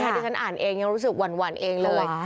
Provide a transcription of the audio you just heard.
ที่ฉันอ่านเองยังรู้สึกหวั่นเองเลย